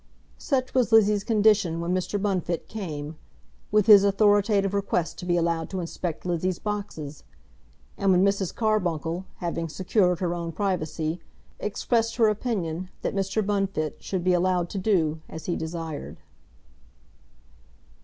Such was Lizzie's condition when Mr. Bunfit came, with his authoritative request to be allowed to inspect Lizzie's boxes, and when Mrs. Carbuncle, having secured her own privacy, expressed her opinion that Mr. Bunfit should be allowed to do as he desired.